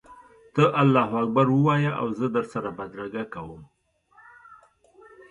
ته الله اکبر ووایه او زه در سره بدرګه کوم.